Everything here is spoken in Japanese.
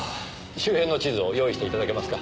周辺の地図を用意して頂けますか？